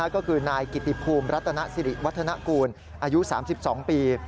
ก็คือนายกิติภูมิรัตนสิริวัฒนกูลอายุ๓๒ปี